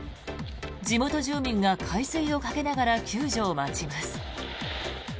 地元住民が海水をかけながら救助を待ちます。